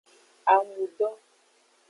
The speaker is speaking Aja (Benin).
Amudo.